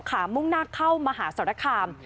มุ่งหน้าเข้ามหาสรคาม